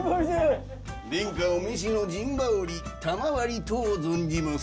殿下お召しの陣羽織賜りとう存じます。